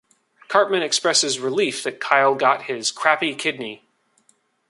Cartman expresses relief that Kyle got his "crappy kidney".